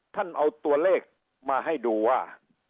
ท่านเอาตัวเลขมาให้ดูว่า